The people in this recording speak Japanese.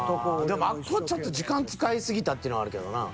でもあっこちょっと時間使い過ぎたってのはあるけどな。